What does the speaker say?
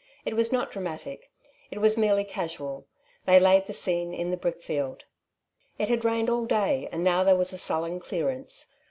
It was not dramatic. It was merely casual. They laid the scene in the brickfield. It had rained all day, and now there was sullen clearance.